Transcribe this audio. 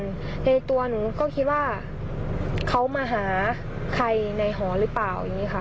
อธิบายในตัวหนูก็คิดว่าเขามาหาใครในหอหรือเปล่า